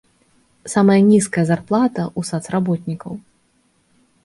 Самая нізкая зарплата ў сацработнікаў.